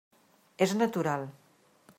És natural.